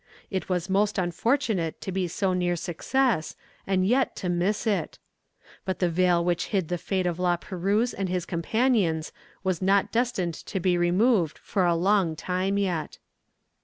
It was most unfortunate to be so near success, and yet to miss it! But the veil which hid the fate of La Perouse and his companions was not destined to be removed for a long time yet.